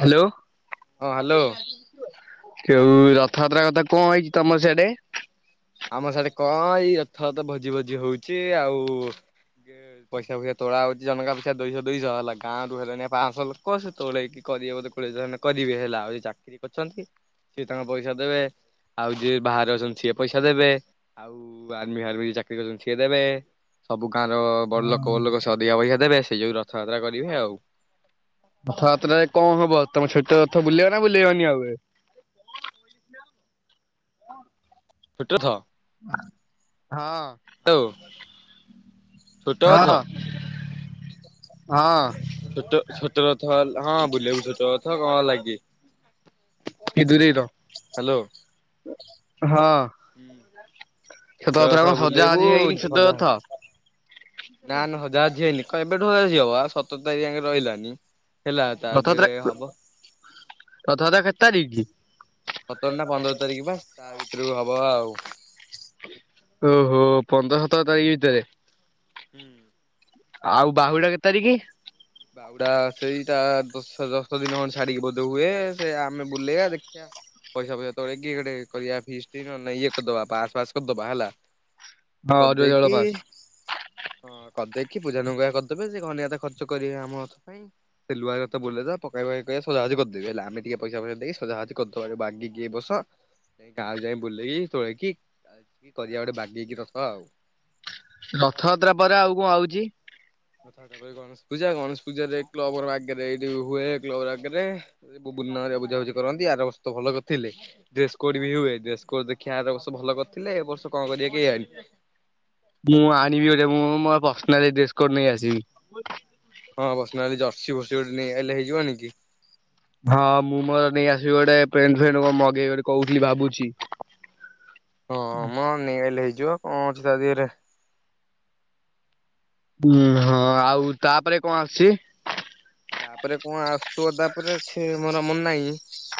Hello ହଁ hello ଯୋଉ ରଥଯାତ୍ରା କଥା କଣ ହେଇଛି ତମର ସେଆଡେ? ଆମ ସାଡେ କଣ ଏଇ ରଥଯାତ୍ରା ଭୋଜି ଫୋଜି ହଉଛି। ଆଉ ପଇସା ଫଇସା ତୋଳା ହଉଛି ଜନକା ପଇସା ଦୁଇଶହ ଦୁଇଶହ ହେଲା। ଗାଁରୁ ହେଲେଣିି ପାଞ୍ଚଶହ ଲୋକ ସେ ତୋଳେଇକି କରି ବୋଧେ କୋଡ଼ିଏ ହଜାର ଖଣ୍ଡେ କରିବେ ହେଲା ଆଉ ଚାକିରି କରିଛନ୍ତି ସିଏ ତାଙ୍କ ପଇସା ଦେବେ ଆଉ ଯିଏ ବାହାରେ ଅଛନ୍ତି ସିଏ ପଇସା ଦେବେ ଆଉ ଆର୍ମି ଫାର୍ମି ଯିଏ ଚାକିରି କରିଛନ୍ତି ସିଏ ଦେବେ ସବୁ ଗାଁର ବଡ ଲୋକ ଫଡ ଲୋକ, ସେ ଅଧିକା ପଇସା ଦେବେ, ସେ ଯୋଗୁଁ ରଥଯାତ୍ରା କରିବେ ଆଉ ରଥଯାତ୍ରାରେ କଣ ହବ? ତମେ ଛୋଟ ରଥ ବୁଲେଇବ ନା ବୁଲେଇବନି ଆଉ ହଁ [unintelligible] ଛୋଟ ରଥ? ହଁ ହ୍ୟାଲୋ ଛୋଟ ହଁ ଅଛ? ହଁ ଛୋଟ, ଛୋଟ ରଥ ହଁ ବୁଲବୁ ଛୋଟ ରଥ। କଣ ହେଲାକି? ଟିକେ ଦୂରେଇ ର ହାଲୋ । ହଁ ହୁଁ [unintelligible] ଛଷେତ କଥରେ କଣ ସଜାସଜି ହେଇନି ଛଷେତ ସଜା କଥ ନା ନା ସଜାସଜି ହେଇନି। କଣ ଏବେଠୁ ସଜାସଜି ହବ ସତର ତାରିଖ ଯାଏ ରହିଲାନି। ହେଲା ତା ଦେହରେ ହବ। ରଥ ଯାତ୍ରା କେତେ ତାରିଖ କି? ସତର ନା ପନ୍ଦର ତାରିଖ ବା ତା ଭିତରକୁ ହବ ଆଉ। ଓହୋ । [unintelligible] ପନ୍ଦର ସତର ତାରିଖ ଭିତରେ? ହୁଁ ଆଉ ବାହୁଡା କେତେ ତାରିକ୍? ବାହୁଡା ସେଇଟା ଦଶ ଦଶ ଦିନ ଖଣ୍ଡ ଛାଡିକି ବୋଧ ହୁଏ ।ସେ ଆମେ ବୁଲେଇଆ ଦେଖଆ। ପଇସା ପଇସା, ତୋ [unintelligible] ଏଇ କରିବା ଫିଷ୍ଟ୍। ନହେଲେ ନାଇ ଏ କରିଦବା ବା ଆସପସ କରିଦବା ହେଲା। ହଁ ଅରୁଆ ଚାଉଳ କରିଦେଇକି ପାସ୍ ହଁ କରିଦେଇକି ପୂଜାନୁଗା କରିଦେବେ। ସେ ଘନିଆ ଖର୍ଚ୍ଚ ବେ ଆମ ପାଇଁ ସେ ଲୁଆ ବଲେ ପେଇବା ପକେଇ ସଜ କରିଦେ ଆ ହେଲେମେ ଟିକେ ପଇସା ଫଇସା ଏ ଦେଇ ସଜଜି [unintelligible] କଦ ବାଗିକି ବସ। ଗାଁକୁ ଯାଇ ବୁଲେଇକି ତୋଳେଇକି କରିବା ଗୋଟେ ବାଗେଇକି ହେଇକି ରଥ ଆଉ, ରଥଯାତ୍ରା ପରେ ଆଉ କଣ ଆଉଛି? ଟା ପରେ ଗଣେଶ ପୂଜା ।ଗଣେଶ ପୂଜାରେ କଲବର ଆଗରେ ଏଇଠି ହୁଏ କର ଆଗରେ ବୁରେ ବୁଝାବୁଝି କରନ୍ତି । ଆରବର୍ଷ ଭଲ କରିଥିଲେ ଡ୍ରେସ୍ କୋଡ ବି ହୁଏ, ଡ୍ରେସ କୋଡ ଦେଖି ଆରବର୍ଷ ଭଲ କରି ଥିଲେ, ଏ ବର୍ଷ କଣ କରିବେ କେ ଜାଣି। ମୁଁ ଆଣିବି [unintelligible] ମୁଁ ମୋର ପର୍ସନାଲ୍ ଡ୍ରେସ କୋଟ୍ ନେଇ ଆସିବି। ହଁ ପର୍ସନାଲି ଜର୍ସି ବର୍ସି ଗୋଟେ ହେଲେ ହେଇଯିବ ନି କି? ହଁ, ମୁଁ ମୋର ନେଇ ଆସିବି ଗୋଟେ ଫ୍ରେ ଫ୍ରେ ମଗେଇ ଗୋଟେ କହୁଥିଲି ଭାବୁଛି। ହଁ ମ ନେଇ ଆଇଲେ ହେଇଯିବ କଣ ଅଛି ତା ଦି ହରେ। ଉଁ ହଁ ଆଉ ତାପରେ କଣ ଆସୁଛି? ତାପରେ କଣ ଆସୁଥିବ, ତାପରେ ସେ ମୋର ମନ ନାହିଁ ।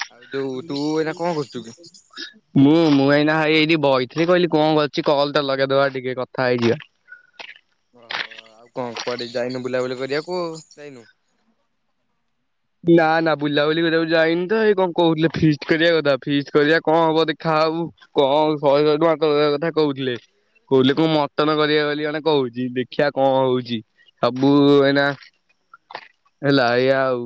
ମୁଁ, ମୁଁ ଏଇନା ହେ ଏଇ ବଇ ସେରେ କହିଲି କଣ କରଛି କଲ ଟା ଲଗେଇଦବା ଟିକେ କଥା ହେଇଯିବା। ଓହୋ କ ଯାଇନୁ? ନା ନା ବୁଲାବୁଲି କରିବାକୁ ଯାଇନି ତ । ଏଇ କଣ କହୁଥିଲେ, ଫିଷ୍ଟ୍ କରିବା କଥା ଫିଷ୍ଟ୍ କରିବା କଣ ହବ ଦେଖାହବ। କଣ ଶହେ ଶହ ଟଙ୍କା କରିବା କଥା କହୁଥିଲେ। କହିଲ କ ମଟନ କରିବା ବୋଲି କଣେ କହୁଛି। ଦେଖିବା କଣ ହଉଛି? ସବୁ ଏଇନା ହେଲା ।ଏଆ ଆଉ।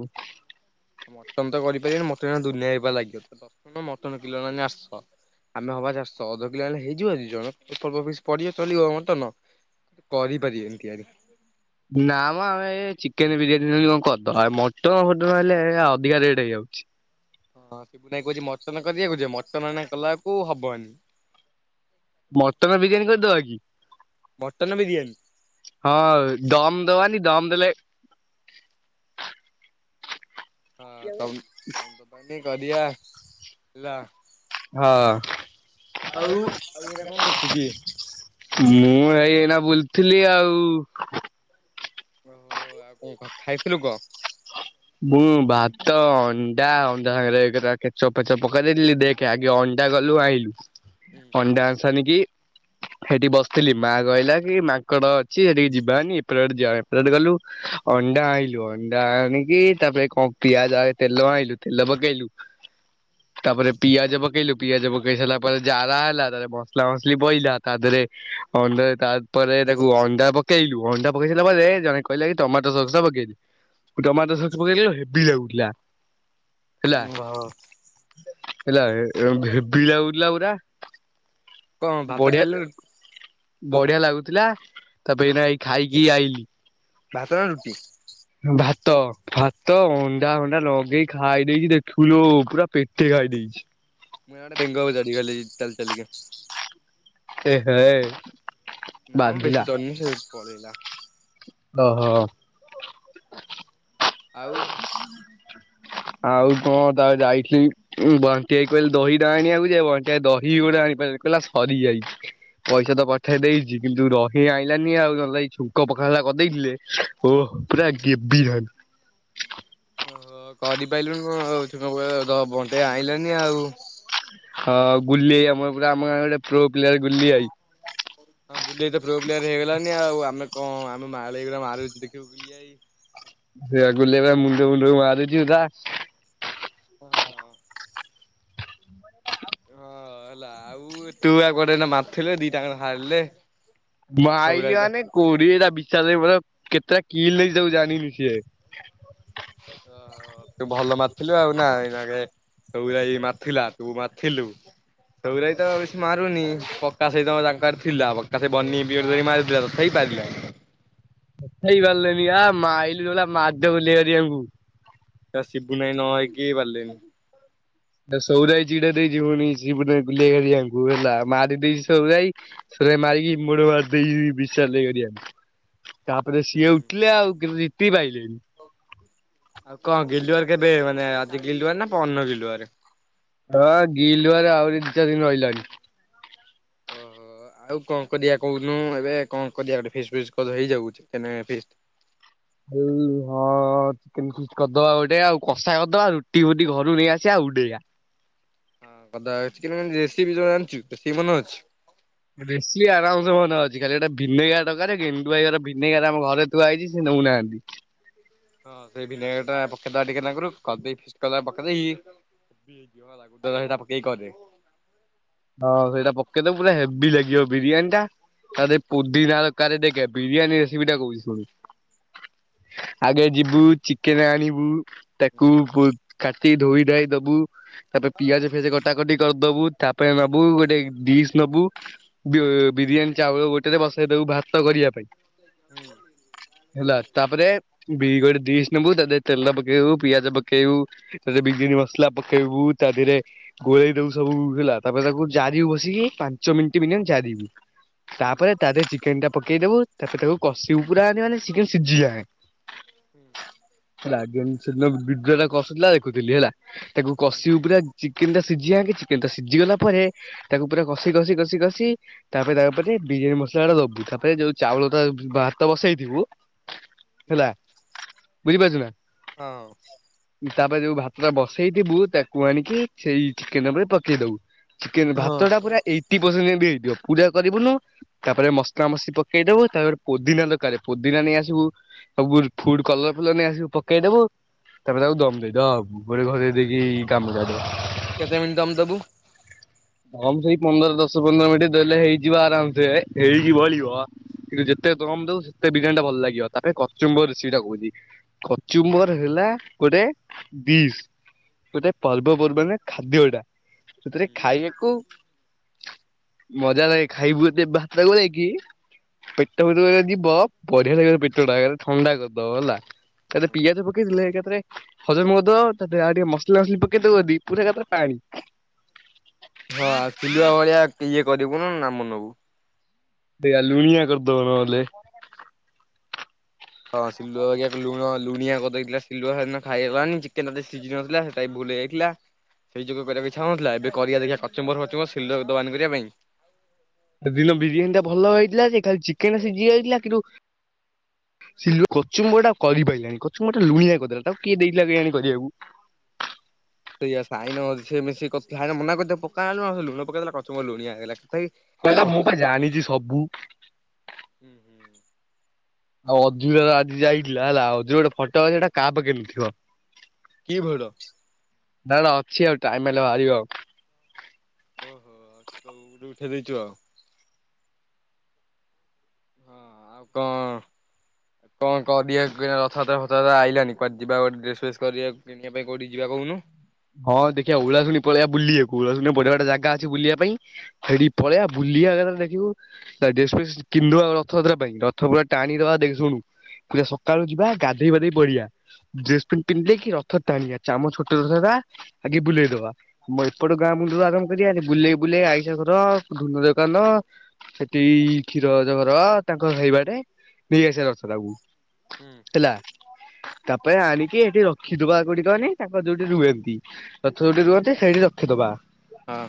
ମଟନ ତ କରିପାରିବନି, ମଟନ ଦୁନିଆ ହେଇବା [unintelligible] ଲାଗିବ । ମଟନ କିଲୋ ହେଲାନି ଆଠଶହ। ଆମେ ହବା ଚାରିଶହ ଅଧ କିଲୋ ହେଲେ ହେଇଯିବ ଯେ, [unintelligible] କରି ପାରିବେ କି କେଜାଣି? ନା ଆମେ ଚିକେନ ବିରିୟାନୀ କଣ କରିଦବା, ଆ ମଟନ୍ ଫଟନ ହେଲେ ଅଧିକା ରେଟ୍ ହେଇଯାଉଛି। [inaudible] ହଁ । ନାଇଁ କହୁଛି ମଟନ କରିବାକୁ ଯ ମଟନ କଲାକୁ ହବନି। ମଟନ ବିରିୟାନି କରିଦବା କି? ମଟନ ବିରିୟାନୀ ହଁ ଦମ ଦବାନି, ଦମ ଦେଲେ ହଁ ତମ ତମ ଦୋକାନୀ କରିବା ହେଲା। ହଁ। ଆଉ ଆଉ ଏଇନା କଣ କରୁଛୁ କି? ମୁଁ ଭାଇ ଏଇନା ବୁଲଥିଲି ଆଉ। ଓହୋ ଆଉ କଣ ଖାଇଥିଲୁ କହ? ମୁଁ ଭାତ, ଅଣ୍ଡା ଅଣ୍ଡା ସାଙ୍ଗରେ ଏଗୁରା କେଚପ୍ ଫେଚପ୍ ପକେଇଦେଇଥିଲି ।ଦେଖେ ଆଗେ ଅନ ଅଣ୍ଡା ଗଲୁ ଆଣିଲୁ। ଅଣ୍ଡା ଆସନିକି ସେଠି ବସିଥିଲି ମା କହିଲା କି ମାଙ୍କଡ ଅଛି ସେଠିକି ଯିବାନି ଏପଟ ବାଟେ ଯିବା। ଏପଟେ ବାଟେ ଗଲୁ। ଅଣ୍ଡା ଆଇଁଲୁ, ଅଣ୍ଡା ଆଣି କି ତାପରେ କଣ ପିଆଜ ଆଉ ତେଲ ଆଣିଲୁ ତେଲ ପକେଇଲୁ। ତାପରେ ପିଆଜ ପକେଇଲୁ, ପିଆଜ ପକେଇ ସାରିଲା ପରେ ଜାରା ହେଲା। ତା ଦେହରେ ମସଲା ମସଲି ପଇଲା। ତା ଦେହରେ ଏ ଅଣ୍ଡାରେ ତାପରେ ତାକୁ ଅଣ୍ଡା ପକେଇଲୁ। ଅଣ୍ଡା ପକେଇ ସାରିଲା ପରେ ଜଣେ କହିଲା କି ଟମାଟୋ ସକ୍ସ ପକେଇଦେ। ହୁଁ। [inaudible] ଦେଖିଲୁ ହେବି ଲାଗୁଥିଲା। ହେଲା ଉଁ, ହୋ ହେଲା ଏ, ହେବି ଲାଗୁ ଥିଲା ପୁରା। କଣ ଭାତ ବଢିଆ ଖାଇଲ ବଢିଆ ଲାଗୁଥିଲା। ତା ପରେ ଏଇନା ଏଇ ଖାଇକି ଆଇଲିି ଭାତ ନା ରୁଟି? ଭାତ। ଭାତ ଅଣ୍ଡା ହଣ୍ଡା ଲଗେଇ ଖାଇ ଦେଇକି ଦେଖିବୁ ଲୋ ପୁରା ପେଟେ ଖାଇ ଦେଇେଛି। ମୁଁ ଇଆଡେ ବେଙ୍ଗ ଉପରେ ଚଢିଗଲି ଚାଲି ଚାଲିିକ । ଏ ହେ। ନା ମୁଁ ବାଧିଲା ବେଶୀ ଚଢିନି ସେ ପଳେଇଲା। ଓହୋ! ଆଉ ଆଉ କଣ ତା ଯାଇଥିଲି ଉଁ, ବଣ୍ଟି ଭାଇ କହିଲେ ଦହି ଟା ଆଣିବାକୁ ଯେ। ବଣ୍ଟି ଭାଇ ଦହି ଗୋଟେ ଆଣି ବେ କହିଲା ସରିଯାଇଛି। ପଇସା ତ ପଠେଇ ଦେଇଚି କିନ୍ତୁ ଦହି ଆଇଲାନି। ଆଉ ନହେଲେ ନାଇ ଛୁଙ୍କ ପଖାଳ ଟା କରିଦେଇଥିଲେ। ଓଃ ପୁରା ଗେବି ଥାଆନ୍ତି। ଓହୋ! କରିପାଇଲୁଣୁ କଣ ଭାବୁଛୁ, ବଣ୍ଟି ଭାଇ ଆଣିଲାନି ଆଉ। ହଁ ଗୁଲୀ ଆମର ପୁରା ଆମ ଗାଁ ଆଡେ ପ୍ରୋ ପ୍ଲେୟାର୍ ଗୁଲୀ ଆଇ। ହଁ ଗୁଲି ଭାଇ ତ ପ୍ରୋ ପ୍ଲେୟାର୍ ହେଇଗଲାନି ଆଉ। ଆମେ କଣ ଆମେ ମାଳେଇକର ମାରୁଚୁ ଦେଖିବୁ ଗୁଲି ଭାଇ ସେୟା ଗୁଲି ଭାଇ ପରା ମୁଣ୍ଡ ଫୁଣ୍ଡରେ ମାରୁଚୁ ତା ହଁ। ହଁ ହେଲା ଆଉ ତୁଆ କୁଆଡେ ଏଇନା ମାରଥିଲେ ଦିଟା ଯାକ ହାରିଲେ। ହଁ ସଉରା ମାଇଲି ଭାଇ ତ ମାନେ କୋଡିଏ ଟା ବିଛାସ ହେଇ ପଇଲା। କେତେଟା କିିଲ [unintelligible] ସେ ସବୁ ଜାଣିନି ସିଏ। ଓହୋ ତୁ [unintelligible] ମାରଥିଲା ତୁ ମାରଥିଲୁ। ସଉରାଇ ତ ବେଶୀ ମାରୁନି। ପକ୍କା ସେଇତ ତାଙ୍କର ଥିଲା ପକ୍କା ସେ ବନି [unintelligible] ମାରଥିଲା ତଥାପି ପାରିଲାନି। ତଥାପି ପାରିଲେନି ଆ ମାଇଲୁ [unintelligible] ମାଡ ବୁଲେଇ ହେରିକା ଙ୍କୁ । ତ ଶିପୁନୁ ଭାଇ ନ ହେଇକି ପାରିଲେନି। ସେଟା ସଉର ଭାଇ ଯେଟା ଦେଇଚି ପୁଣି ସିପୁନୁ ଭାଇ, ଗୁଲା ଭାଇ ହେରିକାଙ୍କୁ। ହେଲା ମାରି ଦେଇଚି ସଉର ଭାଇ। ସଉର ଭାଇ ମାରିକି ମୁଡ ମାର ଦେଇଯିବି ବିସାଲ ଭାଇ ହେରିଆ। ତାପରେ ସିଏ ଉଠିଲେ ଆଉ କିନ୍ତୁ ଜିତି ପାଇଲେନି। ଆଉ କଣ ଗିଲୁଆର କେବେ ମାନେ ଆଜି ଗିଲୁଆର ନା ପରନ ଗିଲୁଆରେ? ହଁ ଗିଲୁଆର ଆହୁରି ଦି ଚାର ଦିନ ରହିଲାଣି। ଓ, ଆଉ କଣ କରିବା କହୁନୁ? ଏବେ କଣ କରିବା ଗୋଟେ ଫିସ୍ ଫିସ୍ କଲେ ହେଇଯାଉଛି ହେନେ ଫିଷ୍ଟ। ବୁଝିଲୁ, ହଁ। ହଁ ଚିକେନ୍ ଫିଷ୍ଟ କରିଦବା ଗୋଟେ ଆଉ। କଷା କରିଦବା ରୁଟି ଫୁଟି ଘରୁ ନେଇ ଆସିବା ଆଉ ଉଦେଇବା। ହଁ ଅଦା ଚିକେନ ରେସିପି ଜାଣିଛୁ ରୋଷେଇ ମନେ ଅଛି? ବେଶି ଆରାମସେ ଭଲ ଅ ଆଜିିକାଲି ଗୋଟେ ଭିନେଗାର ଦରକାର ଗେଣ୍ଡୁ ଭାଇହର ଭିନେଗାର ଆମ ଘରେ ଥୁଆ ହେଇଚି ସେ ନୋଉନାହାନ୍ତି। ହଁ ସେ ଭିନେଗାର ଟା ପକେଇ ଦବା ଟିକେ ନାକୁରୁ କରଦେଇକି ଫିଷ୍ଟ କରିଦେବା ପକେଇଦେଇକି [unintelligible] ହେଟା ପକେଇକି କରିବେ ହଁ ସେଇଟା ପକେଇଦବୁ ପୁରା ହେଭି ଲାଗିବ ବିରିୟାନୀ ଟା ତା ଧେରେ ପୁଦିନା ଦରକାର୍ ଦେଖେ ବିରିୟାନି ରେସିପି ଟା କହୁଛି ଶୁଣୁ ଆଗେ ଯିବୁ ଚିକେନ ଆଣିବୁ ହୁଁ ତାକୁ କୁ କାଟି ଧୋଇ ଧାଇ ଦବୁ ତାପରେ ହଁ ପିଆଜ ଫିଆଜ କଟାକଟି କରିଦବୁ ତା ଟେ ନବୁ ଗୋଟେ ଡିସ୍ ନବୁ ବି ହୁଁ ବିରିୟାନୀ ଚାଉଳ ଗୋଟେ ଟରେ ବସେଇଦବୁ ଭାତ କରିବା ପାଇଁ ହେଲା ତାପରେ ବି ଗୋଟେ ଡିସ୍ ନବୁ ତାଦେରେ ତେଲ ପକେଇବୁ ପିଆଜ ପକେଇବୁ ତାଦେରେ ବିରିୟାନି ମସଲା ପକେଇବୁ ତା ଦେହରେ ଗୋଳେଇ ଦବୁ ସବୁ ହେଲା ତାପରେ ତାକୁ ଯାରିବୁ ବସିକି ପାଞ୍ଚ ମିନିଟ ମିନିୟମ ଯାରିବୁ ହୁଁ ତାପରେ ହୁଁ ତା ଦେରେ ଚିକେନ ଟା ପକେଇଦବୁ ତାପରେ ତାକୁ କଷିବୁ ପୁରା ମାନେ ମାନେ ସି ଚିକେନ ସିଝିଯାଏଁ ହୁଁ। ହେଲା ଗ ସେଦିନ ଭିଡ଼ିଓ ରେ କଷୁଥିଲା ଦେଖୁଥିଲି ହେଲା ତାକୁ ହୁଁ କଷିବୁ ପୁରା ଚିକେନ ଟା ସି ସିଜିଆଙ୍କେ ଚିକେନ ଟା ସିଜିଗଲା ତାପରେ ତାକୁ ପୁରା କଷି କଷି କଷି କଷି ତାପରେ ତା ଓପରେ ବିରିୟାନ ମସଲାଟା ଦବୁ ତାପରେ ଯୋଉ ଚାଉ ଲତା ଭ ଭାତ ବସେଇଥିବୁ ହୁଁ। ହେଲା ବୁଝିପାରୁଛୁ ନା? ହଁ। ତାପରେ ଯୋଉ ଭାତ ଟା ବସେଇଥିବୁ। ତାକୁ ଆଣିକି ସେଇ ଚିକେନ ଉପରେ ପକେଇ ଦବୁ ଚିକେନ ହଁ ଭାତ ଟା ପୁରା ଏଇଟିନ ପରସେଣ୍ଟ ଯେମିତି ହେଇଥିବ ପୁରା କରିବୁନୁ ତାପରେ ମସଲା ମସଲି ପକେଇଦବୁ ତାପରେ ପୋଦିନା ଦରକାର ପୋଦିନା ନେଇ ଆସିବୁ ସବୁ ଫୁଡ କଲର ଫଲର ନେଇ ଆସିବୁ ପକେଇଦବୁ ତାପରେ ତାକୁ ଦମ ଦେଇଦବୁ ଗୋଟେ ଘୋରେଇ ଦେଇକି ଗାମୁଛାଟେ କେତେ ମିନିଟ୍ ଦମ ଦବୁ? ହମ ସେଇ ପନ୍ଦର ଦଶ ପନ୍ଦର ମିନିଟ୍ ଦେଲେ ହେଇଯିବ ଆରାମସେ ହେଇ କି ବଳିବ ଯେତେ କମ ଦବୁ ସେତେ ବିରିୟାନୀ ଟା ଭଲ ଲାଗିବ ତାପରେ କଚୁମ୍ବର ସେଟା କୁହନ୍ତି କଚୁମ୍ବର ହେଲା ଗୋଟେ ଡିଶ୍ ଗୋଟେ ପର୍ବପର୍ବାଣୀ ରେ ଖାଦ୍ୟ ଏଟା ସେଥିରେ ଖାଇବାକୁ ମଜା ଲାଗେ ଖାଇବୁ ଯଦି ଭାତ ଗୋଳେଇକି ପେଟ ଭିତରକୁ ଯେତବେଳେ ଯିବ ବଢିଆ ଲାଗିବ ରେ ପେଟଟା ଏକାଥରେ ଥଣ୍ଡା କରିଦବ ହେଲା। ତାଦେରେ ପିଆଜ ପକେଇଦେଲେ ଏକଥରେ ହଜମ କରିଦବ ତା ପରେ ଆଉ ଟିକେ ମସଲା ମସଲି ପକେଇ ଦବୁ ଯଦି ପୁରା ଏକାତରେ ପାଣି [inaudible] ହଁ ଚୁଲୁଆ ଭଳିଆ ଇଏ କରିବୁନି ନାମ ନବୁ। ଦେରା ଲୁଣିଆ କରିଦବ ନହେଲେ। ହଁ ସିଲୁଆ ବାଗିଆ ଲୁଣ ଲୁଣିଆ କରିଦେଇଥିଲା ଶିଲୁଆ ସେଦିନ ଖାଇହେଲାନି। ଚିକେନେଟା ଟିକେ ଶିଝି ନଥିଲା ସେଟା ବୁ ଲ ଯାଇଥିଲା ସେଇ ଯୋଗୁ କରିବାକୁ ଇଛା ହଉନଥିଲା ଏବେ କରିବା ଦେଖିବା କଚୁମ୍ବର ଫଚୁମ୍ବର୍ ଶିଲୁଆକୁ ଦବାନି କରିବା ପାଇଁ ସେଦିନ ବିରିୟାନୀ ଟା ଭଲ ହେଇଥିଲା ଯେ ଖାଲି ଚିକେନ ଟା ସିଝି ଯାଇଥିଲା କିନ୍ତୁ ସିଲୁଆ କଚୁମ୍ବରଟା କରିପାରିଲାଣି କଚୁମ୍ବରଟା ଲୁଣିଆ କରିଦେଲା ତାକୁ କିଏ ଦେଇଥିଲା କେୟଣୀ କରିବାକୁ। [inaudible] ସେଇଆ ସାଇନ ସେ ମିଶିକି କରିଥି ସାଇନ ମନା କରିଚି ତାକୁ ପକାନା ଲୁଣ ସେ ଲୁଣ ପକେଇ ଦେଲା କଚୁମ୍ବର୍ ଲୁଣିଆ ହେଇଗଲା। ତଥାପି କହିଲା ପ ମୁଁ ପା ଜାଣିଛି ସବୁ। ଆଉ ଅଧୁର ଆଜି ଯାଇଥିଲା ହେଲା ଅଧୁର ଗୋଟେ ଫଟୋ ହେଟା କାହା ପାଖରେ ନଥିବ କି ଭୁଲ ନା ନା ଅଛି ଆଉ ଟାଇମ ହେଲେ ବାହାରିବ ଆଉ। ଓହୋ ତୁ ଉଡେ ଉଠେ ଦେଇଛୁ ଆଉ। ହଁ ଆଉ କଣ କଣ କରିିବା କୁ ରଥଯାତ୍ରା ଫଥଯାତ୍ରା ଆଇଲାନି। କୁଆଡେ ଯିବା ଗୋଟେ ଡ୍ରେସ ଫେସ୍ କରିବା କିଣିବା ପାଇଁ କୋଉଁଠିକି ଯିବା କହୁନୁ। ହଁ ଦେଖିବା ଉଳାଶୁଣି ପଳେଇବା ବୁଲିବାକୁ। ଓଳାଶୁଣୀ ବଢିଆ ବଢ଼ିଆ ଜାଗା ଅଛି ବୁଲିବା ପାଇଁ। ସେଇଠି କି ପଳେଇବା ବୁଲିବା। ଏକାଥରେ ଦେଖୁବୁ ତାପରେ ଡ୍ରେସ ଫେସ୍ କିନିଦବା ଆଉ ରଥଯାତ୍ରା ପାଇଁ ରଥ ପୁରା ଟାଣିଦବା ଦେଖ ଶୁଣୁ ପୁରା ସକାଳୁ ଯିବା ଗାଧୋଇବାଧେଇ ପଡ଼ିବା। ଡ୍ରେସ ପେଣ୍ଟ ପିନ୍ଧିଦେଇକି କି ରଥ ଟାଣିବା ଚାମ ଛୋଟ। [unintelligible] ଆଗେ ବୁଲେଇଦବା ଆମ ଏପଟ ଗାଁ ମୁୁଣ୍ଡରୁ ଆରମ୍ଭ କରିବା ବୁଲେଇ ବୁଲେଇ ଆଇସା ଘର ଧୁନ ଦର। ସେଠି କ୍ଷୀର ଅଜା ଘର ତାଙ୍କ ସେଇବାଟେ ନେଇ ଆସିବା ରଥ ଟାକୁ। ହଁ ହେଲା ତାପରେ ଆଣିକି ଏଠି ରଖିଦବା କଉଠିକହନି ତାଙ୍କ ଯୋଉଁଠି ରୁହନ୍ତି। ରଥ ଯୋଉଁଠି ରୁହନ୍ତି ସେଇଠି ରଖିଦବା। ହଁ।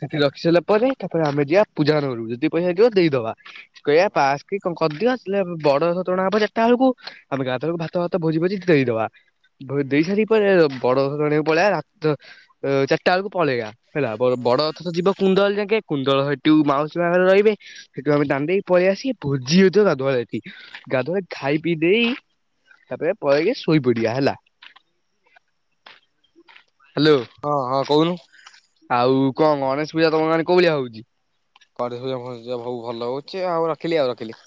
ସେଠି ରଖି ସାରିଲା ପରେ ତାପରେ ଆମେ ଯିବା ପୂଜାହର ଘରକୁ ପଇସା ହେଇଥିବ ଦେଇଦବା କହିବା ପାସ୍ କି କନ କରିଦିଅ ବଡରଥ ଟଣା ହବ ଯେତେବେଳକୁ ଆମେ ଗାଁ ବେଳକୁ ଭାତ ଭାତ ଭୋଜି ଭୋଜି ଦେଇଦବା। ଭୋ ଦେଇ ସାରି ପରେ ବଡ ଆଣି ପଳେଇଆ ରାତ ଚାରିଟା ବେଳକୁ ପଳେଇବା ହେଲା ବଡରଥ ତ ଯିବ କୁନ୍ଦଳ ଯାକେ କୁନ୍ଦଳ ମାଉସୀ ମା ଘରେ ରହିବେ ସେଠୁ ଆମେ ଟାଣି ଦେଇ ପଳେଇ ଆସିକି ଭୋଜି ହେଉଥିବ ଗାଧୁଆଳେ ଏଠି ଗାଧୁଆବେଳେ ଖା ଖାଇ ପିଇ ଦେଇ ତାପରେ ପଳେଇକି ଶୋଇ ପଡିବା ହେଲା। ହ୍ୟାଲୋ, ହଁ ହଁ କହୁନୁ ଆଉ କଣ ଗଣେଶ ପୂଜା ତମ ଗାଁ ରେ କୋଉଁ ଭଳିଆ ହେଉଛି? ଗଣେଶ ପୂଜା ଫଣେଶ ପୂଜା ସବୁ ଭଲ ହେଉଛି ଆଉ ରଖିଲି ଆଉ ରଖିଲି।